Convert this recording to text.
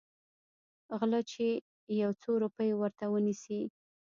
غله چې يو څو روپۍ ورته ونيسي.